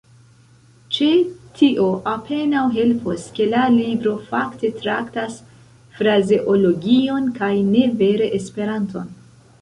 Ĉe tio apenaŭ helpos, ke la libro fakte traktas frazeologion kaj ne vere Esperanton.